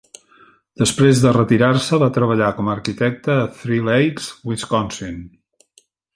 Després de retirar-se, va treballar com a arquitecte a Three Lakes, Wisconsin.